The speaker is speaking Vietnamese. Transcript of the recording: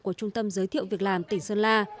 của trung tâm dịch vụ việc làm tỉnh sơn la